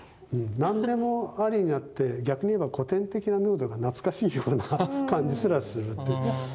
何でもありになって逆に言えば古典的なムードが懐かしいような感じすらするって。